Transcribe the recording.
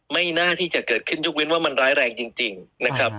ไม่น่าที่จะเกิดขึ้นยกเว้นว่ามันร้ายแรงจริงนะครับ